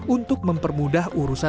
untuk mempermudah urusan